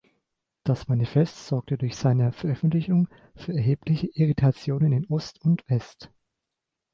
Das Manifest sorgte durch seine Veröffentlichung für erhebliche Irritationen in Ost und West.